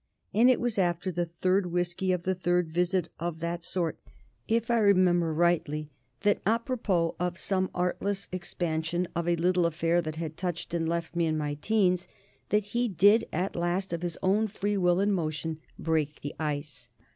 And it was after the third whisky of the third visit of that sort, if I remember rightly, that a propos of some artless expansion of a little affair that had touched and left me in my teens, that he did at last, of his own free will and motion, break the ice.